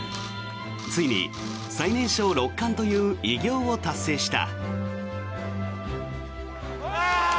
ついに最年少六冠という偉業を達成した。